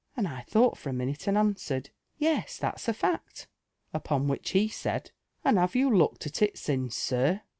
'* and I thought Tor a minute and answered, * Yes, thal'a M fact/ Upon which he said, * And have you looked at it t^ince, sir?